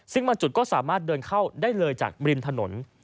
ซึ่งบางจุดก็สามารถเดินเข้าได้เลยจากริมถนน